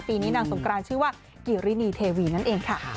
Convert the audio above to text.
ปีนี้นางสงกรานชื่อว่ากิรินีเทวีนั่นเองค่ะ